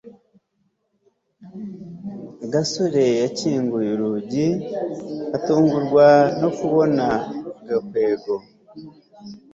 gasore yakinguye urugi atungurwa no kubona gakwego